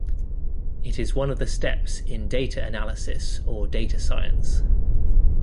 It is one of the steps in data analysis or data science.